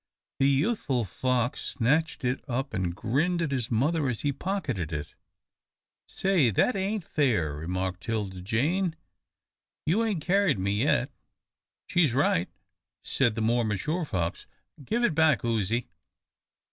The youthful fox snatched at it, and grinned at his mother as he pocketed it. "Say that ain't fair," remarked 'Tilda Jane. "You ain't kerried me yet." "She's right," said the more mature fox. "Give it back, Uzzy."